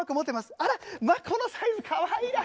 あらこのサイズかわいらしい！